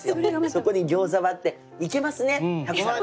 そこに餃子割っていけますね百皿ね。